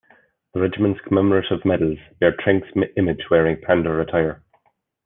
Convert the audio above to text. The regiment's commemorative medals bear Trenck's image wearing Pandur attire.